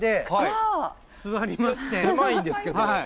狭いんですけど。